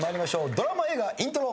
ドラマ・映画イントロ。